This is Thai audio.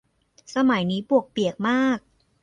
สมัยนี้ปวกเปียกมาก